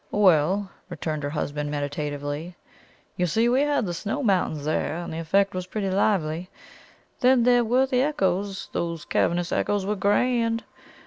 "Well," returned her husband meditatively, "you see we had the snow mountains there, and the effect was pretty lively. Then there were the echoes those cavernous echoes were grand!